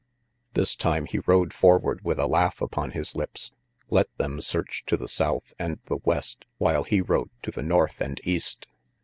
This time he rode forward with a laugh upon his lips. Let them search to the south and the west, while he rode to the north and east.